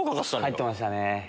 入ってましたね。